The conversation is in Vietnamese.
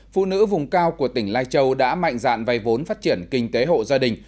phụ nữ vùng cao của tỉnh lai châu đã mạnh dạn vay vốn phát triển kinh tế hộ gia đình